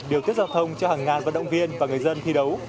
điều tiết giao thông cho hàng ngàn vận động viên và người dân thi đấu